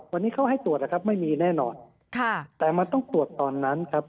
วันนี้เขาให้ตรวจนะครับไม่มีแน่นอนค่ะแต่มันต้องตรวจตอนนั้นครับ